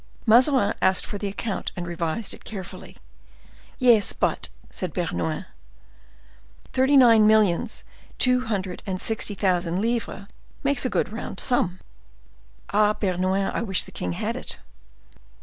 Mazarin asked for the account, and revised it carefully. "Yes, but," said Bernouin, "thirty nine millions two hundred and sixty thousand livres make a good round sum." "Ah, Bernouin; I wish the king had it."